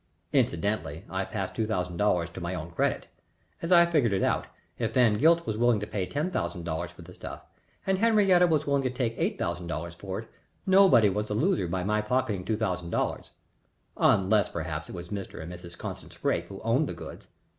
Incidentally, I passed two thousand dollars to my own credit. As I figured it out, if Van Gilt was willing to pay ten thousand dollars for the stuff, and Henriette was willing to take eight thousand dollars for it, nobody was the loser by my pocketing two thousand dollars unless, perhaps, it was Mr. and Mrs. Constant Scrappe who owned the goods.